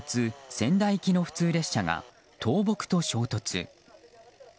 仙台行きの普通列車が倒木と衝突。